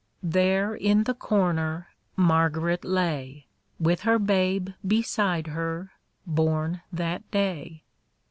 There, in the corner, Margaret lay, With her babe beside her, born that day.